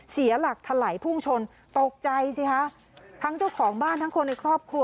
เสียหลักถลายพุ่งชนตกใจสิคะทั้งเจ้าของบ้านทั้งคนในครอบครัว